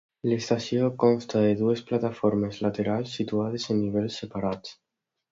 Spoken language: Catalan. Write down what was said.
L'estació consta de dues plataformes laterals situades en nivells separats.